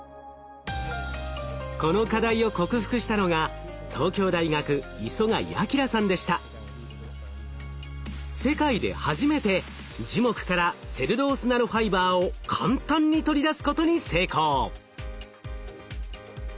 この課題を克服したのが世界で初めて樹木からセルロースナノファイバーを簡単に取り出すことに成功。